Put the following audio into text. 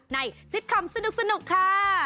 ในสิทธิ์คำสนุกค่ะ